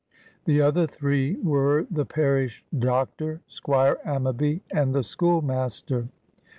The other three were the parish doctor, Squire Ammaby, and the schoolmaster.